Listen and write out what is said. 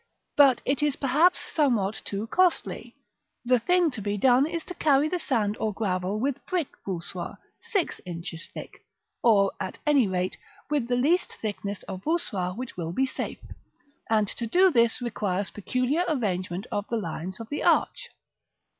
But it is perhaps somewhat too costly: the thing to be done is to carry the sand or gravel with brick voussoirs, six inches thick, or, at any rate, with the least thickness of voussoir which will be safe; and to do this requires peculiar arrangement of the lines of the arch.